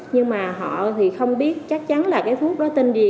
nhưng mà họ thì không biết chắc chắn là cái thuốc đó tin gì